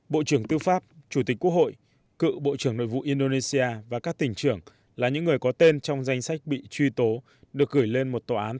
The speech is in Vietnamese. bộ trưởng tư pháp chủ tịch quốc hội cựu bộ trưởng nội vụ indonesia và các tỉnh trưởng là những người có tên trong danh sách bị truy tố được gửi lên một tòa án